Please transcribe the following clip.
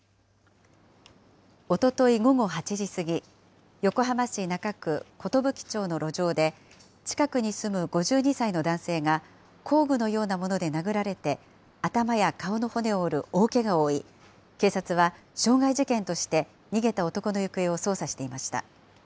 おととい午後８時過ぎ、横浜市中区寿町の路上で、近くに住む５２歳の男性が、工具のようなもので殴られて、頭や顔の骨を折る大けがを負い、警察は傷害事件として、逃げた男の行方を捜査していました。